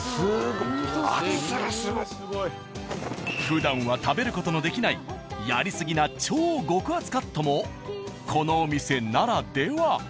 ふだんは食べる事のできないやりすぎな超極厚カットもこのお店ならでは。